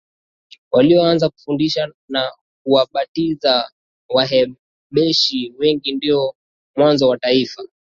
walioanza kufundisha na kuwabatiza Wahabeshi wengi Ndio mwanzo wa taifa